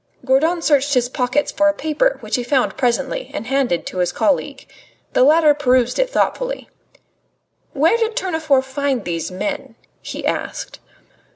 Gourdon searched his pockets for a paper which he found presently and handed to his colleague. The latter perused it thoughtfully. "Where did Tournefort find these men?" he asked.